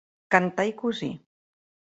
Cantar i cosir.